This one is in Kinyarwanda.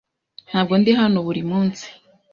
Ntabwo ndi hano buri munsi.